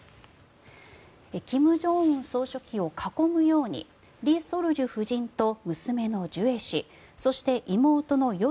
金正恩総書記を囲むように李雪主夫人と娘のジュエ氏そして妹の与